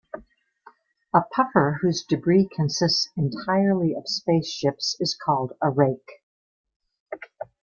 A puffer whose debris consists entirely of spaceships is called a rake.